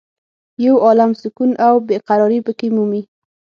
یو عالم سکون او بې قرارې په کې مومې.